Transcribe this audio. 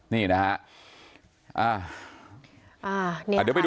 นี่นะฮะ